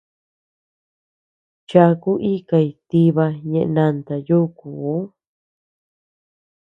Chaku ikay tiba ñeʼe nanta yúkuu.